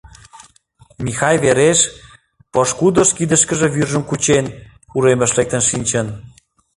Михай Вереш, пошкудышт, кидышкыже вӱржым кучен, уремыш лектын шинчын.